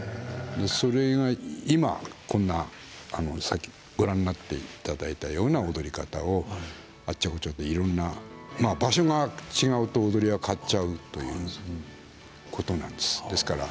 それが今、さっきご覧になっていただいたような踊り方をあっちゃこっちゃでいろんな場所が違うと踊りが変わっちゃうということなんですよね。